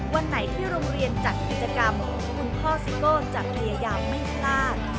วันไหนที่โรงเรียนจัดกิจกรรมคุณพ่อซิโก้จะพยายามไม่พลาด